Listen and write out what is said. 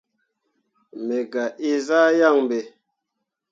Me gah inzah yaŋ ɓe.